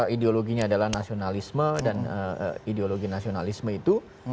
ideologinya adalah nasionalisme dan ideologi nasionalisme itu